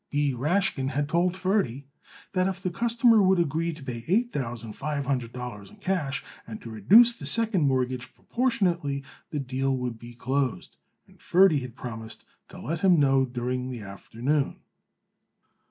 B. Rashkin had told Ferdy that if the customer would agree to pay eight thousand five hundred dollars in cash and to reduce the second mortgage proportionately, the deal would be closed; and Ferdy had promised to let him know during the afternoon.